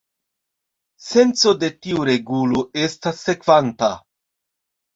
Senco de tiu regulo estas sekvanta.